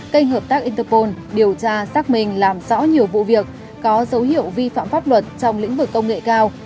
kênh hợp tác interpol điều tra xác minh làm rõ nhiều vụ việc có dấu hiệu vi phạm pháp luật trong lĩnh vực công nghệ cao